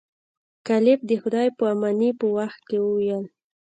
کلایف د خدای په امانی په وخت کې وویل.